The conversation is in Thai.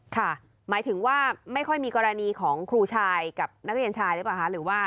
หมายถึงว่าไม่ค่อยมีกรณีของครูชายกับนักเรียนชายหรือเปล่าคะ